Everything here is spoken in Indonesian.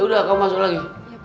ya udah kamu masuk lagi